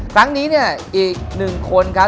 ครั้งนี้เนี่ยอีก๑คนครับ